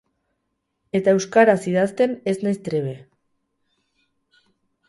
Eta euskaraz idazten ez naiz trebe.